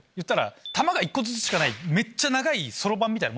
玉が１個ずつしかないめっちゃ長いそろばんみたい。